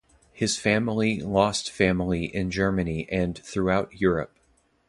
His family lost family in Germany and throughout Europe.